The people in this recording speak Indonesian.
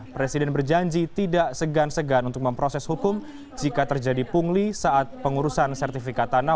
presiden berjanji tidak segan segan untuk memproses hukum jika terjadi pungli saat pengurusan sertifikat tanah